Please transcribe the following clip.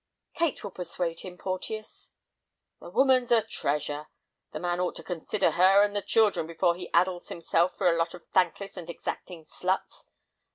"Kate will persuade him, Porteus." "The woman's a treasure. The man ought to consider her and the children before he addles himself for a lot of thankless and exacting sluts.